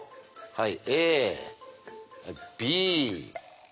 はい。